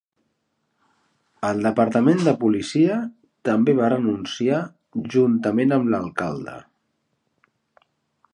El departament de policia també va renunciar juntament amb l'alcalde.